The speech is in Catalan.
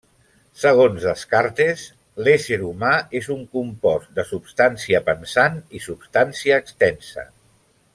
Segons Descartes, l'ésser humà és un compost de substància pensant i substància extensa.